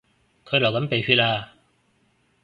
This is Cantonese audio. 佢流緊鼻血呀